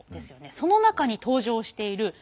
その中に登場している伊都國。